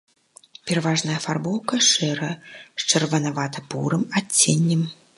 Пераважная афарбоўка шэрая з чырванавата-бурым адценнем.